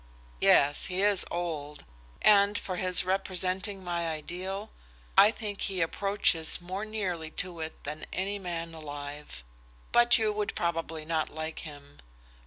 "Yes, he is old. As for his representing my ideal, I think he approaches more nearly to it than any man alive. But you would probably not like him."